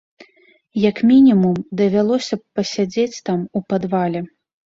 Як мінімум, давялося б пасядзець там у падвале.